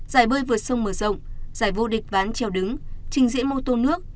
giải bơi vượt sông mở rộng giải vô địch ván trèo đứng trình diễn mô tô nước